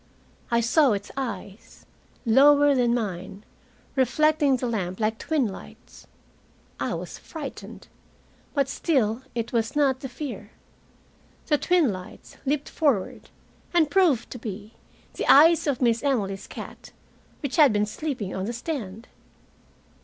I saw its eyes, lower than mine, reflecting the lamp like twin lights. I was frightened, but still it was not the fear. The twin lights leaped forward and proved to be the eyes of Miss Emily's cat, which had been sleeping on the stand!